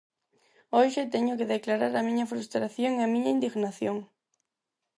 Hoxe teño que declarar a miña frustración e a miña indignación.